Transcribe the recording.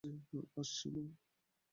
আসছি, মা!